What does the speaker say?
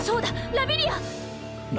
ラビリア？